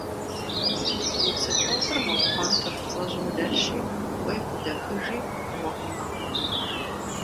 Уи цы топыр мо пхъуантэ фӀыцӀэжьым дэлъщи кӀуэи къыдэхыжи, гъуэгу махуэ.